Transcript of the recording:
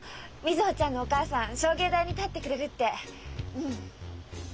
瑞穂ちゃんのお母さん証言台に立ってくれるってうん。